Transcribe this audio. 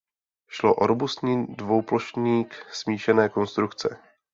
Šlo o robustní dvouplošník smíšené konstrukce.